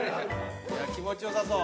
気持ちよさそう。